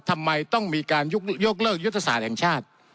ทำไมต้องมีการยกเลิกยุทธศาสตร์แห่งชาติ